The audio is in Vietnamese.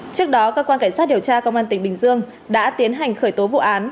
trước đó cơ quan cảnh sát điều tra công an tỉnh bình dương đã tiến hành khởi tố vụ án